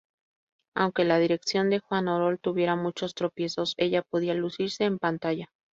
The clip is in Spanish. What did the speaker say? Aunque la dirección de Juan Orol tuviera muchos tropiezos, ella podía lucirse en pantalla.